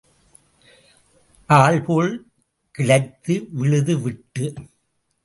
ஆல்போல் கிளைத்து விழுது விட்டு.